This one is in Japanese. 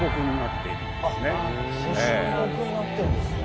御神木になっているんですね。